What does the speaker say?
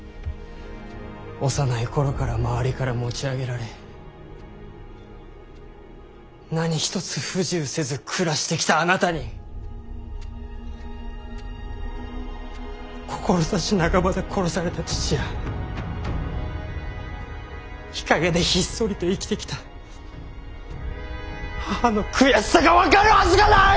幼い頃から周りから持ち上げられ何一つ不自由せず暮らしてきたあなたに志半ばで殺された父や日陰でひっそりと生きてきた母の悔しさが分かるはずがない！